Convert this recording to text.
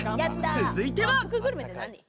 続いては。